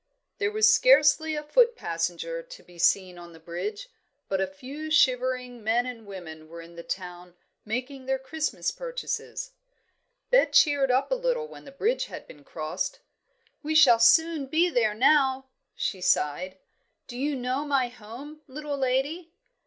There was scarcely a foot passenger to be seen on the bridge, but a few shivering men and women were in the town making their Christmas purchases. Bet cheered up a little when the bridge had been crossed. "We shall soon be there now," she sighed. "Do you know my home, little lady?"